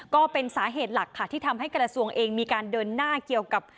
ก็เป็นสาเหตุหลักค่ะที่ทำให้กระทรวงเองมีการเดินหน้าเกี่ยวกับ